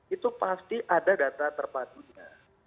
itu pasti ada data terpadunya